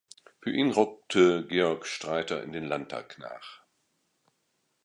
Für ihn rückte Georg Streiter in den Landtag nach.